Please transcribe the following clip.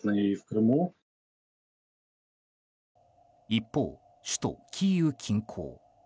一方、首都キーウ近郊。